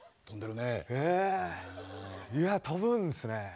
いや飛ぶんですね。